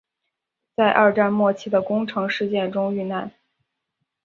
在二战末期的宫城事件中遇难。